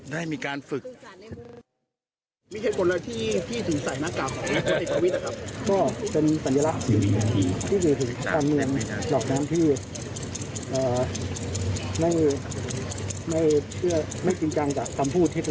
ได้มีการฝึก